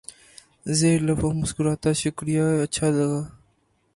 زیر لب وہ مسکراتا شکریہ اچھا لگا